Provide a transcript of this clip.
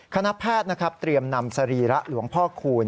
คณะแพทย์นะครับเตรียมนำสรีระหลวงพ่อคูณ